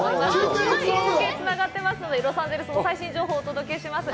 中継がつながってますので、ロサンゼルス最新情報をお届けします。